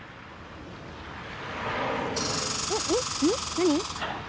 何？